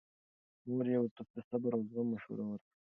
مور یې ورته د صبر او زغم مشوره ورکړه.